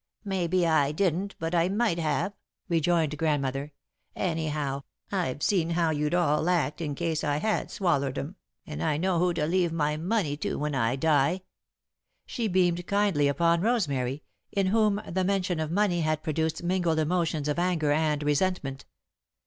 "Maybe I didn't, but I might have," rejoined Grandmother. "Anyhow, I've seen how you'd all act in case I had swallered 'em, and I know who to leave my money to when I die." She beamed kindly upon Rosemary, in whom the mention of money had produced mingled emotions of anger and resentment.